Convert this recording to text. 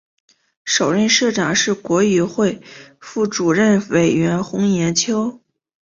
首任社长是国语会副主任委员洪炎秋。